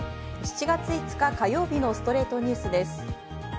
７月５日、火曜日の『ストレイトニュース』です。